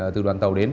từ đoàn tàu đến